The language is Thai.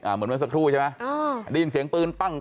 เหมือนเมื่อสักครู่ใช่ไหมได้ยินเสียงปืนปั้ง